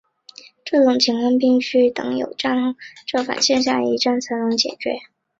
这种情况必须等有站后折返线的下一站特列姆基站开通才能解决。